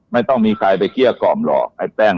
ไม่ต้องมีใครไปเมรดาของตัวเอก